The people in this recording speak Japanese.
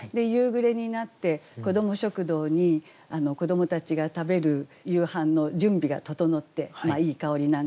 夕暮れになって子ども食堂に子どもたちが食べる夕飯の準備が整っていい香りなんかがして。